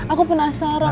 aku penasaran mas